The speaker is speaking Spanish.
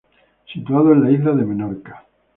Situado en la isla de Menorca.